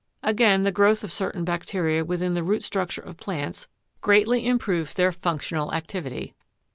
Again, the growth of certain bacteria within the root structure of plants greatly improves their functional activity.